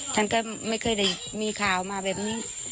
ฉันก็ไม่เคยได้มีข่าวมาแบบนี้